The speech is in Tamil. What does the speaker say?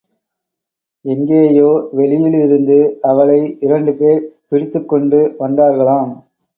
எங்கேயோ வெளியிலிருந்து அவளை இரண்டுபேர் பிடித்துக் கொண்டு வந்தார்களாம்.